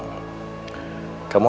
kamu ada apa